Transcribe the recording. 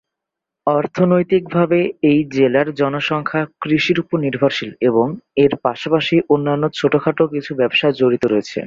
অর্থনৈতিকভাবে এই জেলার জনসংখ্যা কৃষির উপর নির্ভরশীল এবং এর পাশাপাশি অন্যান্য ছোট খাটো কিছু ব্যবসা জড়িত রয়েছে।